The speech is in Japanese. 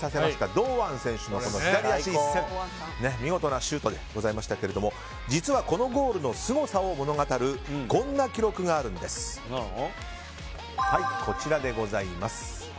堂安選手の左足一閃見事なシュートでございましたが実はこのゴールのすごさを物語るこんな記録があるんです。